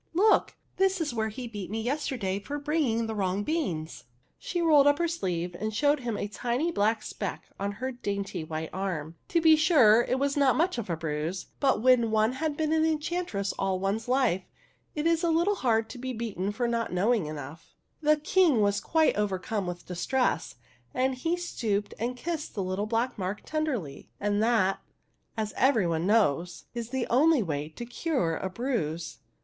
Look! this is where he beat me yesterday for bringing the wrong beans." She rolled up her sleeve and showed him a tiny black speck on her dainty white arm. To be sure, it was not much of a bruise, but w^hen one has been an enchantress all one's life it is a little hard to be beaten for not knowing 62 THE HUNDREDTH PRINCESS enough. The King was quite overcome with distress, and he stooped and kissed the little black mark tenderly; and that, as every one knows, is the only way to cure a bruise.